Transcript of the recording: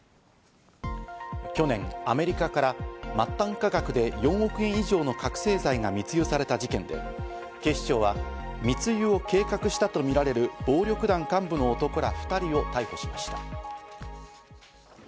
去年、アメリカから末端価格で４億円以上の覚醒剤が密輸された事件で、警視庁は密輸を計画したとみられる暴力団幹部の男ら２人を逮捕しました。